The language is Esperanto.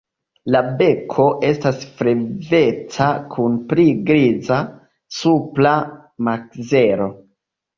La beko estas flaveca kun pli griza supra makzelo.